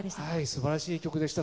素晴らしい曲でした。